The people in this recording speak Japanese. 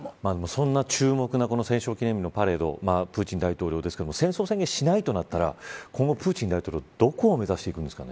そんな注目の戦勝記念日のパレードプーチン大統領ですが戦争宣言しないとなったら今後、プーチン大統領はどこを目指していくんですか。